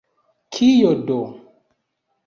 Kio do!